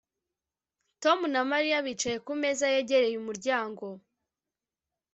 Tom na Mariya bicaye ku meza yegereye umuryango